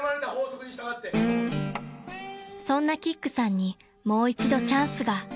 ［そんなキックさんにもう一度チャンスが］